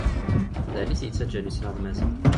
D ayen it-yettaǧǧan yettnaɣ d Maziɣ.